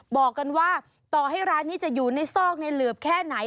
บอกกันว่าต่อให้ร้านนี้จะอยู่ในซอกในเหลือบแค่ไหน